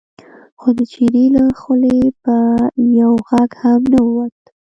خو د چیني له خولې به یو غږ هم نه ووت.